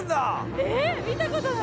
えっ見たことない。